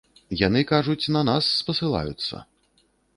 Яны кажуць, на нас спасылаюцца.